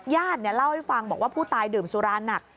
ญาติเล่าให้ฟังบอกว่าผู้ตายดื่มสุราหนัก